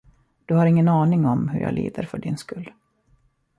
Du har ingen aning om, hur jag lider för din skull.